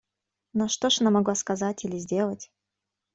Но что ж она могла сказать или сделать?